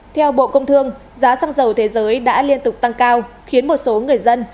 theo bộ công thương giá xăng dầu thế giới đã liên tục tăng cao khiến một số người dân